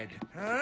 あ？